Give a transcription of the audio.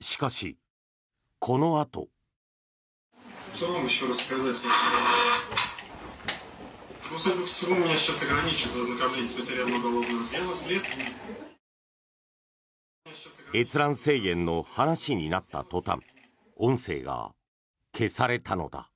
しかし、このあと。閲覧制限の話になったとたん音声が消されたのだ。